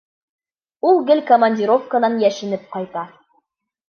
Ул гел командировканан йәшенеп ҡайта.